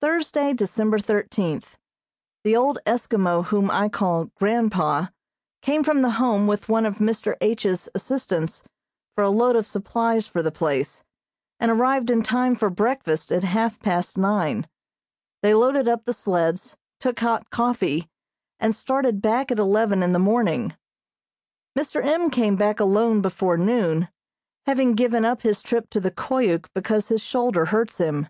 Thursday, December thirteenth: The old Eskimo whom I call "grandpa" came from the Home with one of Mr. H.'s assistants for a load of supplies for the place, and arrived in time for breakfast at half past nine. They loaded up the sleds, took hot coffee, and started back at eleven in the morning. Mr. M. came back alone before noon, having given up his trip to the Koyuk because his shoulder hurts him.